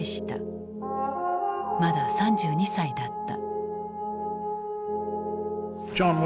まだ３２歳だった。